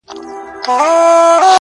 باز به بيرته بيزو وان ځان ته پيدا كړ!.